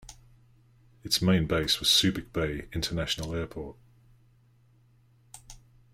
Its main base was Subic Bay International Airport.